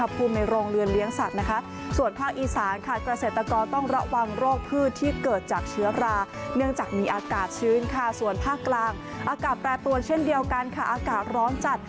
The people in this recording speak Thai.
ภาคกลางอากาศแปรปรวนเช่นเดียวกันค่ะอากาศร้อนจัด